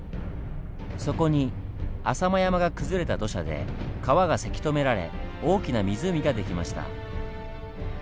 そこに浅間山が崩れた土砂で川がせき止められ大きな湖が出来ました。